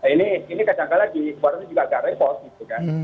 ini kadang kadang lagi warna ini juga agak repot gitu kan